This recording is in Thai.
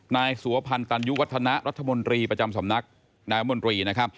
นายสวพันษณ์ตัลยุวัทธนรัฐมนตรีพจัมสำนักนายวัทธม็วนตรี